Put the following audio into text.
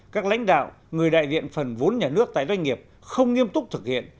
các lãnh đạo người đại diện phần vốn nhà nước tại doanh nghiệp không nghiêm túc thực hiện